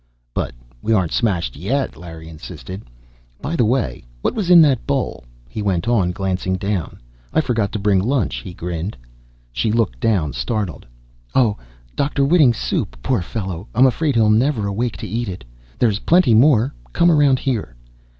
"But we aren't smashed yet!" Larry insisted. "By the way, what was that in the bowl?" he went on, glancing down. "I forgot to bring lunch." He grinned. She looked down, startled. "Oh. Dr. Whiting's soup. Poor fellow, I'm afraid he'll never awake to eat it. There's plenty more. Come around here."